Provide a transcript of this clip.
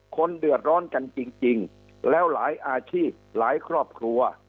คนเดือดร้อนกันจริงแล้วหลายอาชีพหลายครอบครัว